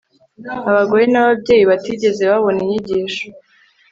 Abagore nababyeyi batigeze babona inyigisho